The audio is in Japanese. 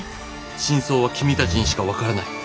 「真相は君たちにしかわからない」。